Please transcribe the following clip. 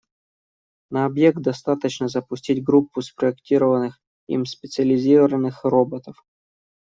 На объект достаточно запустить группу спроектированных им специализированных роботов.